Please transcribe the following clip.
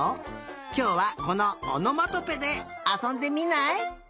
きょうはこのおのまとぺであそんでみない？